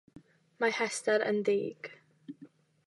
Mae Hester yn ddig.